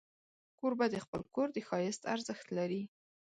کوربه د خپل کور د ښایست ارزښت لري.